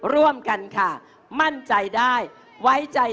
ร่วมกันค่ะมั่นใจได้ไว้ใจ